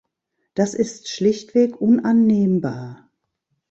Dies ist schlichtweg unannehmbar.